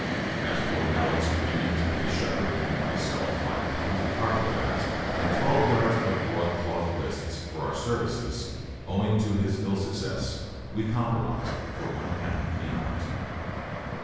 As for Mallett's agreement to pay Shepard and myself five pounds of carpet rags and twelve yards of broadcloth "lists," for our services, owing to his ill success, we compromised for one half the amount.